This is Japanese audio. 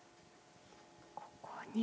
ここに。